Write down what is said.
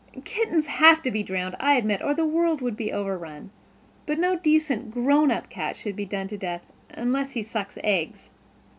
"Kittens have to be drowned, I admit, or the world would be overrun. But no decent, grown up cat should be done to death—unless he sucks eggs."